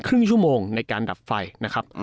ครึ่งชั่วโมงในการดับไฟนะครับ